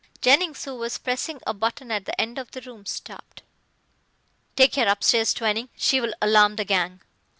Jennings, who was pressing a button at the end of the room, stopped. "Take her upstairs, Twining. She will alarm the gang!"